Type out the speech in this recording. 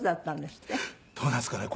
どうなんですかね？